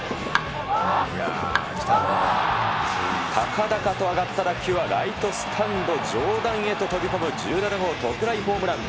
高々と上がった打球は、ライトスタンド上段へと飛び込む１７号特大ホームラン。